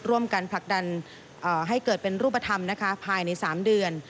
ร่วมกันผลักดันให้เกิดเป็นรูปธรรมภายใน๓เดือน